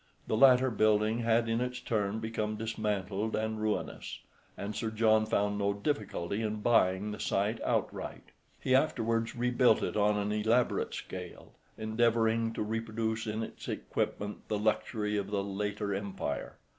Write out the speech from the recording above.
The later building had in its turn become dismantled and ruinous, and Sir John found no difficulty in buying the site outright. He afterwards rebuilt it on an elaborate scale, endeavouring to reproduce in its equipment the luxury of the later empire.